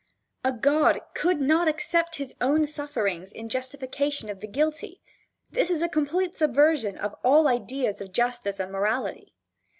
A god could not accept his own sufferings in justification of the guilty. This is a complete subversion of all ideas of justice and morality.